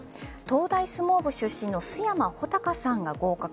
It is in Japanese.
東大相撲部出身の須山穂嵩さんが合格。